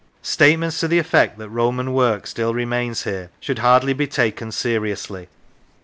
Statements to the effect that Roman work still remains here should hardly be taken seriously.